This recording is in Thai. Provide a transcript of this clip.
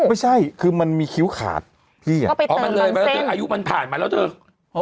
ไม่ใช่คือมันมีคิ้วขาดพี่เพราะมันเลยมาแล้วเธออายุมันผ่านมาแล้วเถอะ